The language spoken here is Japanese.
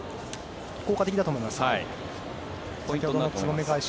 効果的だと思います。